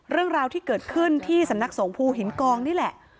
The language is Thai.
เรื่องราวที่เกิดขึ้นที่สำนักสงภูหินกองนี่แหละ